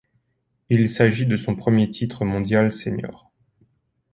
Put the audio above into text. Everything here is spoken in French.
Il s'agit de son premier titre mondial senior.